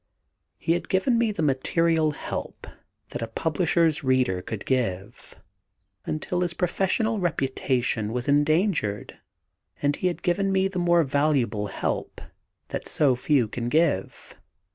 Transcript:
He had given me the material help that a publisher's reader could give, until his professional reputation was endangered, and he had given me the more valuable help that so few can give.